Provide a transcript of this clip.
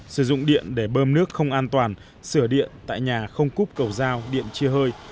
sử dụng điện để bơm nước không an toàn sửa điện tại nhà không cúp cầu dao điện chia hơi